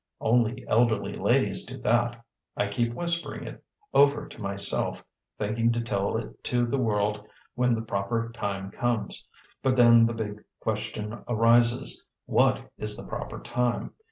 Only elderly ladies do that. I keep whispering it over to myself, thinking to tell it to the world when the proper time comes. But then the big question arises what is the proper time?